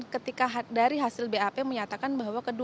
ketika dari hasil bap menyatakan bahwa